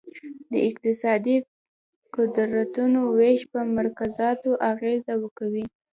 د اقتصادي قدرتونو ویش په مذاکراتو اغیزه کوي